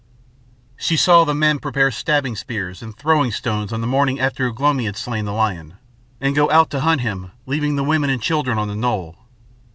She saw the men prepare stabbing spears and throwing stones on the morning after Ugh lomi had slain the lion, and go out to hunt him, leaving the women and children on the knoll.